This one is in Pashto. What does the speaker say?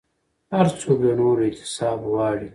هر څوک د نورو احتساب غواړي